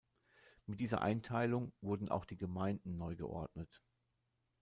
Mit dieser Einteilung wurden auch die Gemeinden neu geordnet.